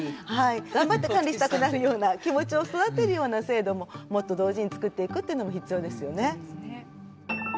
頑張って管理したくなるような気持ちを育てるような制度ももっと同時に作っていくっていうのも必要ですよね。